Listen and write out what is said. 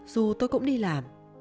dù tôi cũng đi làm